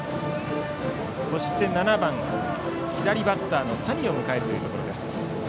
そして、７番左バッターの谷を迎えるところ。